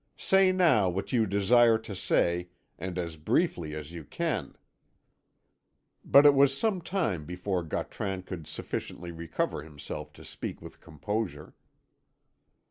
Say now what you desire to say, and as briefly as you can." But it was some time before Gautran could sufficiently recover himself to speak with composure.